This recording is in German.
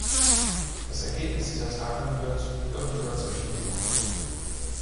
Das Ergebnis dieser Tagung wird irgendwo dazwischen liegen.